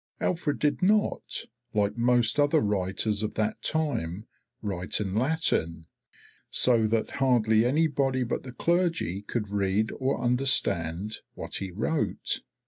Alfred did not, like most other writers of that time, write in Latin, so that hardly anybody but the clergy could read or understand what he wrote.